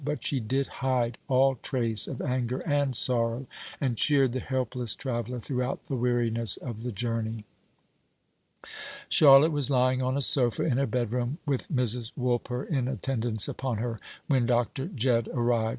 But she did hide all trace of anger and sorrow, and cheered the helpless traveller throughout the weariness of the journey. Charlotte was lying on a sofa in her bedroom, with Mrs. Woolper in attendance upon her, when Dr. Jedd arrived.